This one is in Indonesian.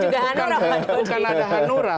bukan ada hanura